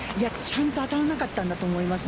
ちゃんと当たらなかったんだと思います。